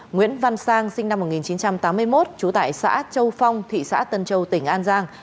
nguyễn văn sang sinh năm một nghìn chín trăm tám mươi một trú tại xã châu phong thị xã tân châu tỉnh an giang